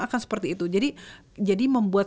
akan seperti itu jadi membuat